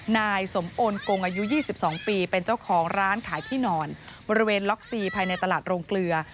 นายสมโอนกงอายุ๒๒ปีเป็นเจ้าของร้านขายที่นอนบริเวณล็อกซีภายในตลาดโรงเกลือ